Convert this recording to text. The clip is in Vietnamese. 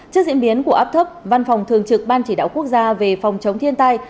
trước diễn biến của áp thấp văn phòng thường trực ban chỉ đạo quốc gia về phòng chống thiên tai